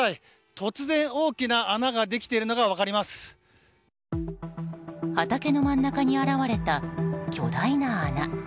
突然大きな穴ができているのが畑の真ん中に現れた巨大な穴。